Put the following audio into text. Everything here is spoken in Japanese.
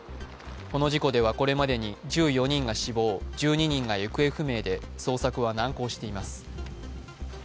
この事故ではこれまでに１４人が死亡、１２人が行方不明で捜索は難航しています。